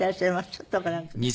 ちょっとご覧ください。